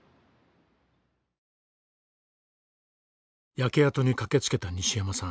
焼け跡に駆けつけた西山さん。